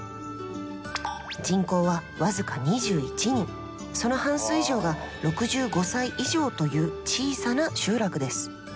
人口は僅か２１人その半数以上が６５歳以上という小さな集落です。